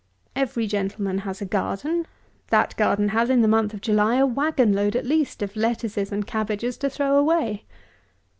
Every gentleman has a garden. That garden has, in the month of July, a wagon load, at least, of lettuces and cabbages to throw away.